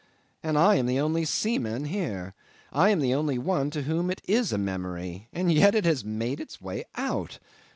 And I am the only seaman here. I am the only one to whom it is a memory. And yet it has made its way out!